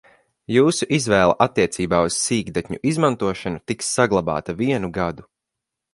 Jūsu izvēle attiecībā uz sīkdatņu izmantošanu tiks saglabāta vienu gadu.